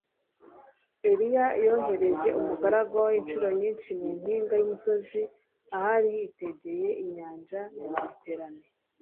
Eliya yohereje umugaragu we incuro nyinshi mu mpinga yumusozi ahari hitegeye inyanja ya Mediterane